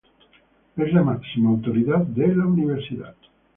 Es la máxima autoridad de la Universidad.